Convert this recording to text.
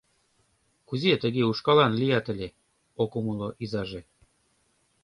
— Кузе-туге ушкалан лият ыле? — ок умыло изаже.